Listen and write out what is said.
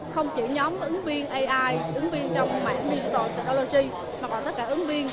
không chỉ nhóm ứng viên ai ứng viên trong mạng digital technology mà còn tất cả ứng viên